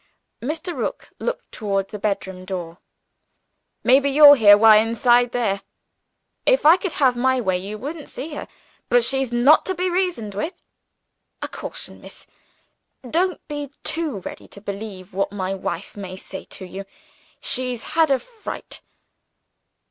Mr. Rook looked toward the bedroom door. "Maybe you'll hear why, inside there. If I could have my way, you shouldn't see her but she's not to be reasoned with. A caution, miss. Don't be too ready to believe what my wife may say to you. She's had a fright."